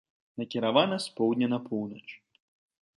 Накіравана з поўдня на поўнач.